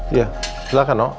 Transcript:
iya silahkan no